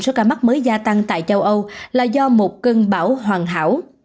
số ca mắc mới gia tăng tại châu âu là do một cơn bão hoàn hảo